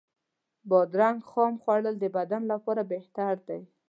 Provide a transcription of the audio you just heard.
بادرنګ خام خوړل د بدن لپاره بهتر دی.